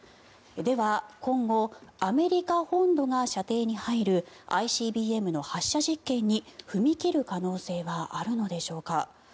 では、今後アメリカ本土が射程に入るＩＣＢＭの発射実験に踏み切る可能性はあるのでしょうか。